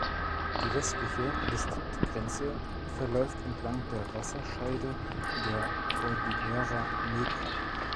Die westliche Distriktgrenze verläuft entlang der Wasserscheide der Cordillera Negra.